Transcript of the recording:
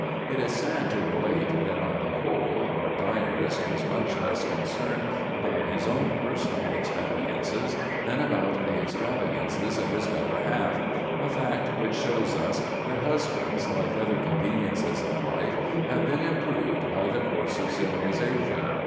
It is sad to relate that, on the whole, our diarist was much less concerned about his own personal extravagances than about the extravagances of his better half—a fact which shows us that husbands, like other conveniences of life, have been improved by the course of civilization.